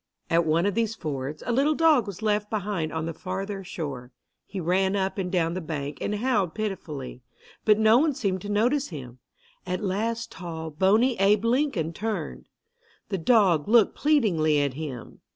At one of these fords a little dog was left behind on the farther shore. He ran up and down the bank and howled pitifully, but no one seemed to notice him. At last tall, bony Abe Lincoln turned. The dog looked pleadingly at him.